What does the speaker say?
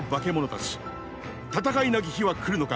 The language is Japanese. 戦いなき日は来るのか。